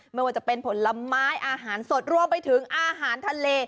ไม่ว่าจะเป็นผลไม้อาหารสดรวมไปถึงอาหารทะเล